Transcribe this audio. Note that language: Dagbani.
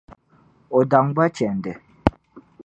O daŋ ba chɛndi.